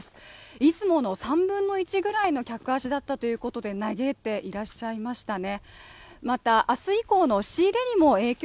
いつもの３分の１ぐらいの客足だったということで嘆いていらっしゃいましたね。